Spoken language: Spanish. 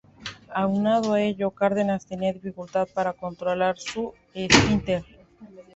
Aunado a ello, Cárdenas tenía dificultad para controlar su esfínter.